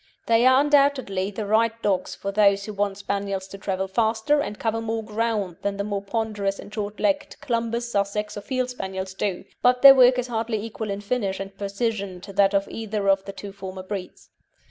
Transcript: They are undoubtedly the right dogs for those who want Spaniels to travel faster and cover more ground than the more ponderous and short legged Clumbers, Sussex, or Field Spaniels do, but their work is hardly equal in finish and precision to that of either of the two former breeds.